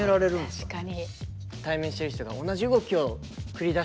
確かに。